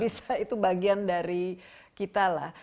bisa itu bagian dari kita lah